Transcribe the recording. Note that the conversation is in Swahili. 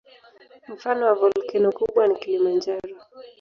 Mfano wa volkeno kubwa ni Kilimanjaro.